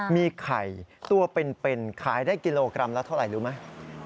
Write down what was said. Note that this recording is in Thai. มีไข่ตัวเป็นขายได้กิโลกรัมละเท่าไหร่รู้ไหม